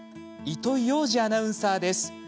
糸井羊司アナウンサーです。